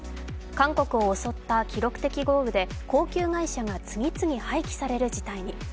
韓国を襲った記録的豪雨で高級車が次々廃棄される事態に。